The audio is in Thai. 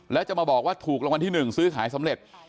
และ้วจะบอกถูกรังวันที่๑ซื้อขายสำเร็จ